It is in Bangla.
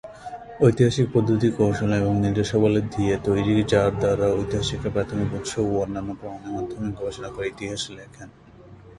ঐতিহাসিক পদ্ধতি, কৌশল এবং নির্দেশাবলী দিয়ে তৈরি যার দ্বারা ঐতিহাসিকরা প্রাথমিক উৎস ও অন্যান্য প্রমাণের মাধ্যমে গবেষণা করে ইতিহাস লেখেন।